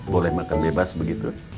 boleh makan bebas begitu